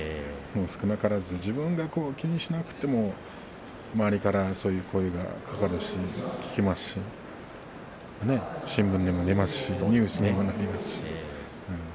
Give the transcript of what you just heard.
少なからず自分が気にしなくても周りから、そういう声がかかるし、聞きますし新聞にも出ますしニュースにもなりますし。